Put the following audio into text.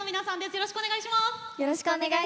よろしくお願いします。